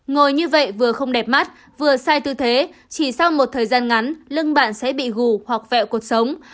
ngồi như vậy vừa không đẹp mắt vừa sai tư thế chỉ sau một thời gian ngắn lưng bạn sẽ bị gù hoặc vẹo cuộc sống